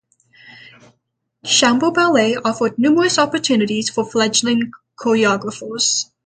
Chamber Ballet offered numerous opportunities for fledgling choreographers.